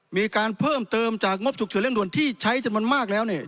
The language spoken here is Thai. มีการเพิ่มเติมจากงบฉุกเฉินเร่งด่วนที่ใช้จำนวนมากแล้วเนี่ย